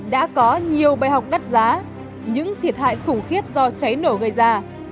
đã có nhiều bài học đắt giá những thiệt hại khủng khiếp do cháy nổ gây ra